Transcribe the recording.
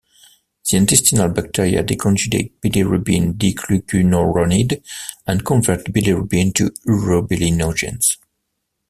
The intestinal bacteria deconjugate bilirubin diglucuronide and convert bilirubin to urobilinogens.